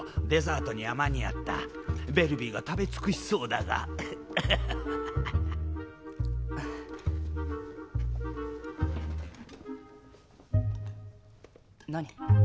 デザートには間に合ったベルビィが食べ尽くしそうだがアハハ何？